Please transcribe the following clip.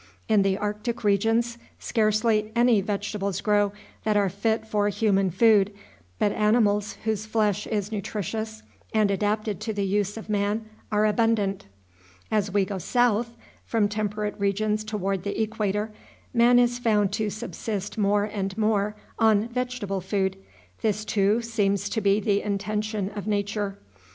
In the arctic regions scarcely any vegetables grow that are fit for human food, but animals whose flesh is nutritious and adapted to the use of man are abundant. As we go south, from temperate regions toward the equator, man is found to subsist more and more on vegetable food. This, too, seems to be the intention of nature.